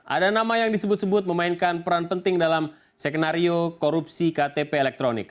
ada nama yang disebut sebut memainkan peran penting dalam sekenario korupsi ktp elektronik